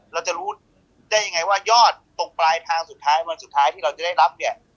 เราจะรู้ได้ยังไงว่ายอดตรงปลายทางสุดท้ายวันสุดท้ายที่เราจะได้รับเนี่ย